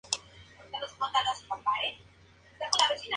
El punto de encuentro era la isla de Rapa.